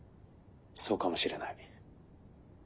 そうかもしれない。